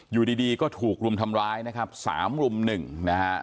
อยู่ดีก็ถูกรุมทำร้ายนะครับ๓รุมหนึ่งนะครับ